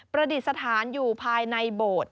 ดิษฐานอยู่ภายในโบสถ์